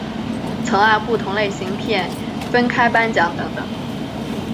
曾按不同类型片分开颁奖等等。